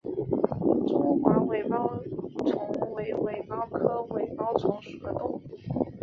中华尾孢虫为尾孢科尾孢虫属的动物。